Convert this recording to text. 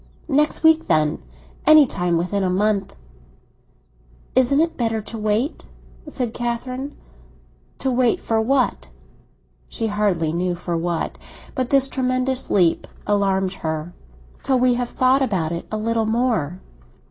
"Next week, then. Any time within a month." "Isn't it better to wait?" said Catherine. "To wait for what?" She hardly knew for what; but this tremendous leap alarmed her. "Till we have thought about it a little more."